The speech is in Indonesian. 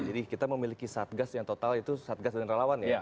jadi kita memiliki satgas yang total itu satgas dan relawan ya